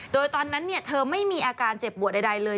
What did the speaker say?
โดยตอนนั้นเธอไม่มีอาการเจ็บปวดใดเลย